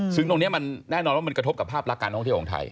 ซึ่งตรงนี้มันแน่นอนว่ามันกระทบกับภาพลักษณ์การท่องเที่ยวของไทย